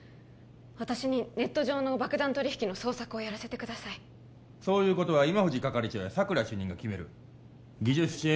私にネット上の爆弾取引の捜索をやらせてくださいそういうことは今藤係長や佐久良主任が決める技術支援